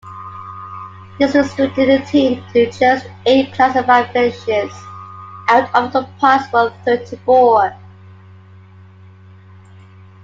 This restricted the team to just eight classified finishes out of a possible thirty-four.